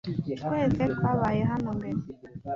Twese twabaye hano mbere .